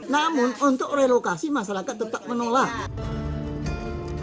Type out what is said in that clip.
namun untuk relokasi masyarakat tetap menolak